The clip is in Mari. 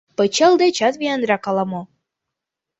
Пычал дечат виянрак ала-мо.